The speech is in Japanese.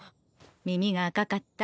耳が赤かった。